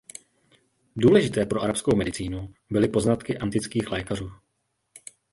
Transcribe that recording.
Důležité pro arabskou medicínu byly poznatky antických lékařů.